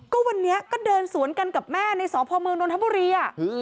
ก็วันนี้ก็เดินสวนกันกับแม่ในสพเมืองนทบุรี